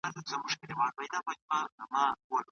دولتونه د پرمختګ لار پالي.